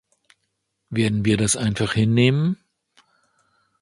Werden wir das einfach hinnehmen?